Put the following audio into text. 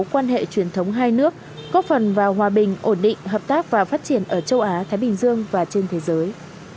quan hệ truyền thống hai nước góp phần vào hòa bình ổn định hợp tác và phát triển ở châu á thái bình dương và trên thế giới